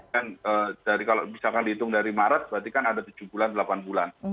jadi kalau misalkan dihitung dari maret berarti kan ada tujuh bulan delapan bulan